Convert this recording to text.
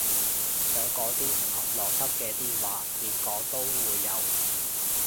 想講啲唔合邏輯嘅癲話，點講都會有